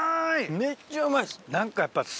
めっちゃうまいです。